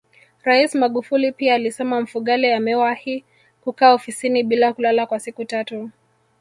Rais Magufuli pia alisema Mfugale amewahi kukaa ofisini bila kulala kwa siku tatu